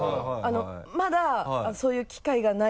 まだそういう機会がない。